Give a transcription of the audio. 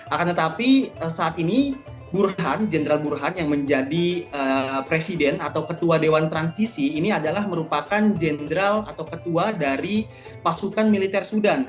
akan tetapi saat ini burhan jenderal burhan yang menjadi presiden atau ketua dewan transisi ini adalah merupakan jenderal atau ketua dari pasukan militer sudan